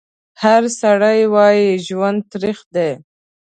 هر سړی وایي ژوند تریخ دی